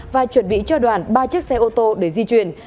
và chuẩn bị cho đoàn ba chiếc xe ô tô để di chuyển